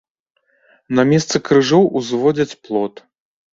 На месцы крыжоў узводзяць плот.